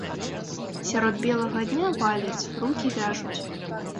Сярод белага дня валяць, рукі вяжуць!